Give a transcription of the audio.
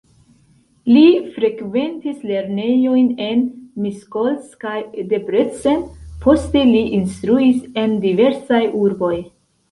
Li frekventis lernejojn en Miskolc kaj Debrecen, poste li instruis en diversaj urboj.